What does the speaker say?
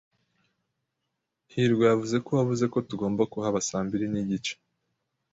hirwa yavuze ko wavuze ko tugomba kuhaba saa mbiri nigice.